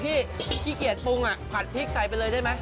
ขี้เกียจปรุงผัดพริกใส่ไปเลยได้ไหม